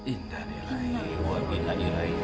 indah diraih wa bila iraih